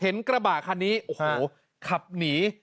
เห็นกระบะคันนี้ขับหนี